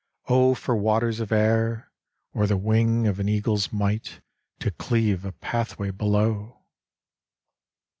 O for waters of air! Or the wing of an eagle's might To cleave a pathway below!"